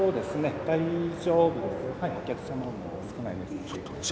お客様も少ないですし。